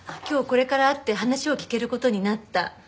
今日これから会って話を聞ける事になった。